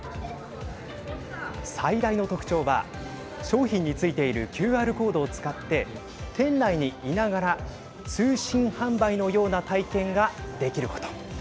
最大の特徴は商品についているＱＲコードを使って店内にいながら通信販売のような体験ができること。